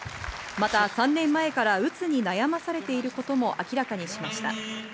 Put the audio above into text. また３年前からうつに悩まされていることも明らかにしました。